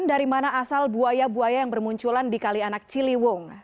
dari mana asal buaya buaya yang bermunculan di kalianak ciliwung